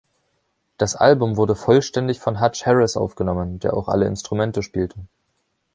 Das Album wurde vollständig von Hutch Harris aufgenommen, der auch alle Instrumente spielte.